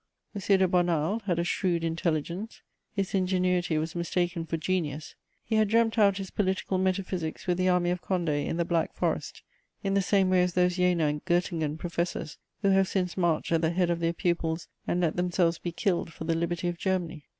M. de Bonald had a shrewd intelligence; his ingenuity was mistaken for genius; he had dreamt out his political metaphysics with the Army of Condé, in the Black Forest, in the same way as those Jena and Göttingen professors who have since marched at the head of their pupils and let themselves be killed for the liberty of Germany.